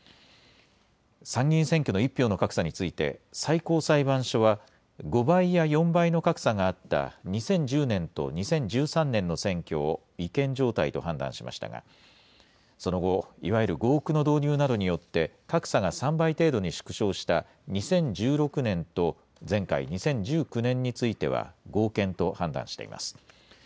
参議院選挙の１票の格差について最高裁判所は５倍や４倍の格差があった２０１０年と２０１３年の選挙を違憲状態と判断しましたがその後、いわゆる合区の導入などによって格差が３倍程度に縮小した２０１６年と前回２０１９年については合憲と判断しています。